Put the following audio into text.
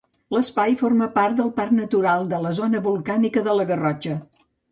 L'espai forma part del Parc Natural de la Zona Volcànica de la Garrotxa.